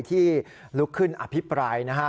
ที่ลุกขึ้นอภิปรายนะฮะ